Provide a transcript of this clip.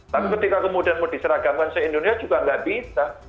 tapi ketika kemudian mau diseragamkan se indonesia juga nggak bisa